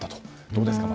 どうですか？